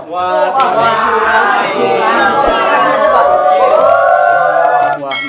wah mereka curang